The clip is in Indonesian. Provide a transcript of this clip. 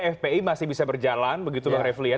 fpi masih bisa berjalan begitu bang reflie